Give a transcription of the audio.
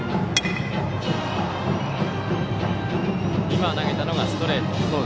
今投げたのがストレート。